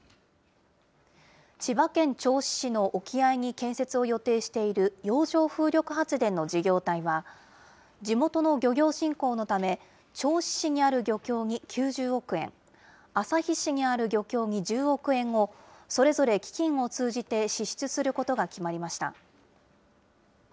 千葉県銚子市の沖合に建設を予定している洋上風力発電の事業体は、地元の漁業振興のため、銚子市にある漁協に９０億円、旭市にある漁協に１０億円をそれぞれ基金を通じて支出することが決まりました。